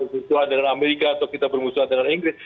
bermusuhan dengan amerika atau kita bermusuhan dengan inggris